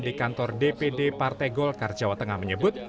di kantor dpd partai golkar jawa tengah menyebut